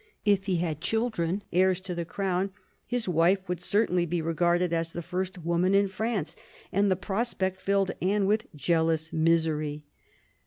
If he had children, heirs to the crown, his wife would certainly be regarded as the first woman in France, and the prospect filled Anne with jealous misery.